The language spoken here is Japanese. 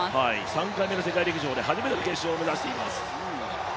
３回目の世界陸上で初めての決勝を目指しています。